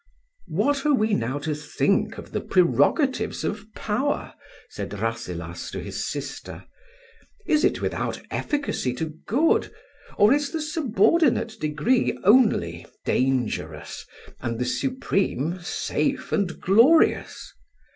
"What are we now to think of the prerogatives of power?" said Rasselas to his sister: "is it without efficacy to good, or is the subordinate degree only dangerous, and the supreme safe and glorious?